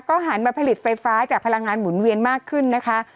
หันมาผลิตไฟฟ้าจากพลังงานหมุนเวียนมากขึ้นนะคะ